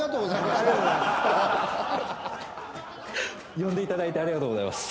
呼んでいただいてありがとうございます。